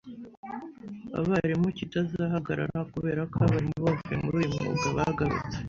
abarimu kitazahagarara kubera ko abarimu bavuye muri uyu mwuga bagarutse.